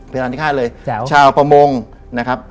เป็นอันที่๕เลยชาวประมงนะครับ